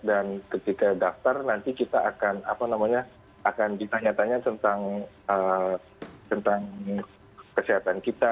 dan ketika daftar nanti kita akan apa namanya akan ditanya tanya tentang kesehatan kita